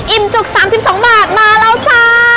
จุก๓๒บาทมาแล้วจ้า